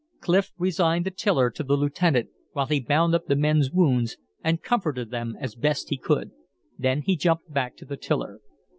Clif resigned the tiller to the lieutenant, while he bound up the men's wounds and comforted them as best he could. Then he jumped back to the tiller.